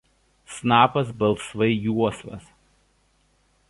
Snapas balsvai juosvas.